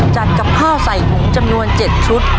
กับข้าวใส่ถุงจำนวน๗ชุด